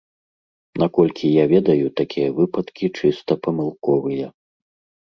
Наколькі я ведаю, такія выпадкі чыста памылковыя.